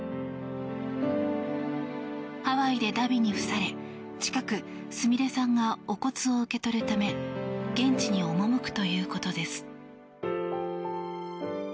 ハワイでだびに付され近く、すみれさんがお骨を受け取るため現地に赴くということです。